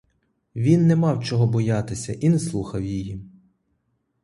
Він не мав чого боятися і не слухав її.